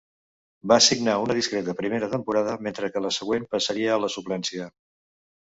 Va signar una discreta primera temporada, mentre que la següent passaria a la suplència.